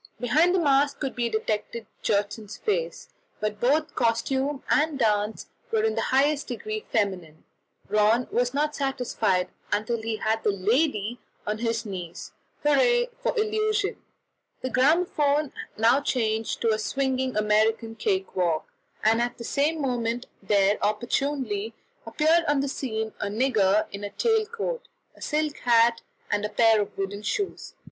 Behind the mask could be detected Gjertsen's face, but both costume and dance were in the highest degree feminine. Rönne was not satisfied until he had the "lady" on his knees hurrah for illusion! The gramophone now changed to a swinging American cake walk, and at the same moment there opportunely appeared on the scene a nigger in a tail coat, a silk hat, and a pair of wooden shoes.